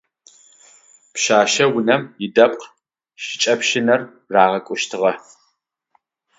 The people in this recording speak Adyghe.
Пшъэшъэунэм идэпкъ шыкӏэпщынэр рагъэкӏущтыгъэ.